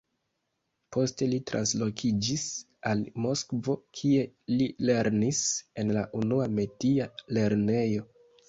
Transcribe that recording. Poste li translokiĝis al Moskvo, kie li lernis en la Unua Metia lernejo.